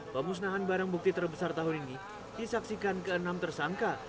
pemusnahan barang bukti terbesar tahun ini disaksikan ke enam tersangka